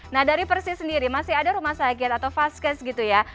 nah dari persi sendiri masih ada rumah sakit atau fast case gitu ya